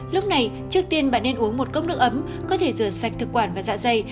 lúc này trước tiên bạn nên uống một cốc nước ấm có thể rửa sạch thực quản và dạ dày